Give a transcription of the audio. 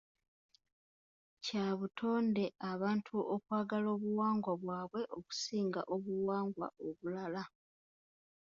Kya butonde abantu okwagala obuwangwa bwabwe okusinga obuwangwa obulala.